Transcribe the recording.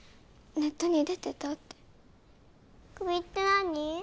ネットに出てたってクビって何？